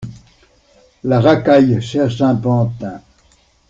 La racaille cherche un pantin.